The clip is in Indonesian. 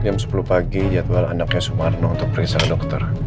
jam sepuluh pagi jadwal anaknya sumarno untuk pergi ke sala dokter